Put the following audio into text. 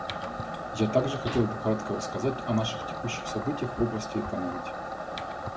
Я также хотел бы кратко рассказать о наших текущих событиях в области экономики.